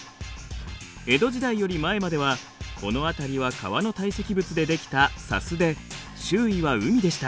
江戸時代より前まではこの辺りは川の堆積物で出来た砂州で周囲は海でした。